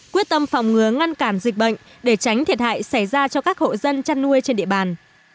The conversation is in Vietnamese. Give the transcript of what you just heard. quyết tâm phòng ngứa ngăn cản dịch bệnh để tránh thiệt hại xảy ra cho các hộ dân chăn nuôi trên địa bàn